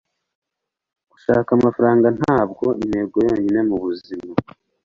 gushaka amafaranga ntabwo intego yonyine mubuzima